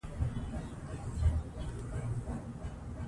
کابل او وردګ ولايتونه سره ګډه پوله لري